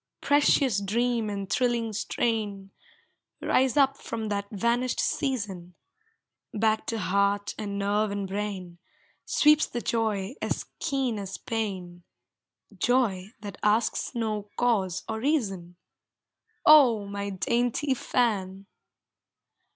Precious dream and thrilling strain, Rise up from that vanished season; Back to heart and nerve and brain Sweeps the joy as keen as pain, Joy that asks no cause or reason. Oh, my dainty fan!